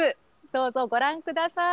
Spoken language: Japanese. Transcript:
どうぞご覧ください。